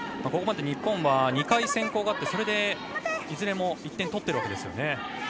ここまで日本は２回先攻があってそれでいずれも１点取っているわけですね。